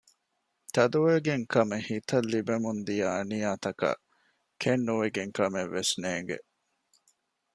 ތަދުވެގެން ކަމެއް ހިތަށް ލިބެމުންދިޔަ އަނިޔާތަކަށް ކެތްނުވެގެން ކަމެއް ވެސް ނޭންގެ